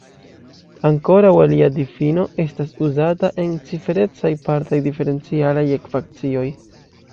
Ankoraŭ alia difino estas uzata en ciferecaj partaj diferencialaj ekvacioj.